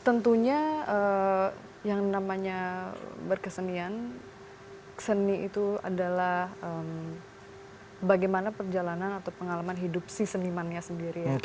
tentunya yang namanya berkesenian seni itu adalah bagaimana perjalanan atau pengalaman hidup si senimannya sendiri